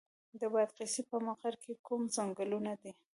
د بادغیس په مقر کې کوم ځنګلونه دي؟